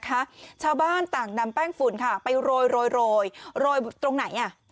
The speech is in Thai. ชาวบ้านต่างนำแป้งฝุ่นค่ะไปโรยโรยโรยโรยตรงไหนอ่ะ